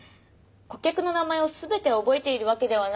顧客の名前を全て覚えているわけではないので。